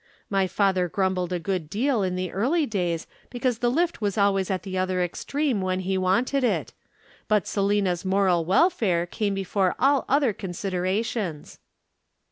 My father grumbled a good deal in the early days because the lift was always at the other extreme when he wanted it, but Selina's moral welfare came before all other considerations.